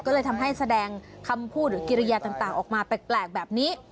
ก็เลยทำให้แสดงคำพูดหรือกิริยาต่างออกมาแปลกแบบนี้